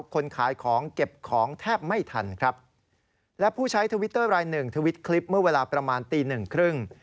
คนขายของเก็บของแทบไม่ทันครับและผู้ใช้ทวิตเตอร์รายหนึ่งทวิตคลิปเมื่อเวลาประมาณตีหนึ่งครึ่ง